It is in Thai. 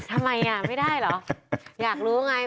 ทำไมอ่ะไม่ได้เหรออยากรู้ไง